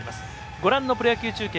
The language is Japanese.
ご覧のプロ野球中継